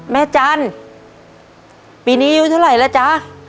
จันปีนี้อายุเท่าไหร่แล้วจ๊ะ